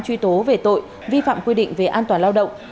truy tố về tội vi phạm quy định về an toàn lao động